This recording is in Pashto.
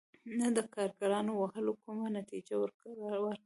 نه د کارګرانو وهلو کومه نتیجه ورکړه.